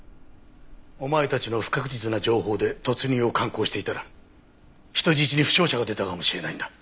お前たちの不確実な情報で突入を敢行していたら人質に負傷者が出たかもしれないんだ。